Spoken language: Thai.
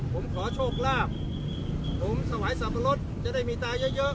ผมขอโชคลาภผมถวายสับปะรดจะได้มีตาเยอะเยอะ